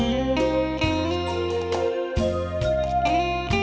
ขอโชคดีค่ะ